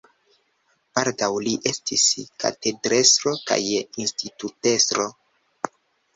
Baldaŭ li estis katedrestro kaj institutestro.